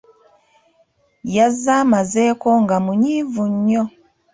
Yazze amazeeko nga munyiivu nnyo.